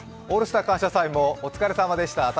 「オールスター感謝祭」もお疲れさまでした。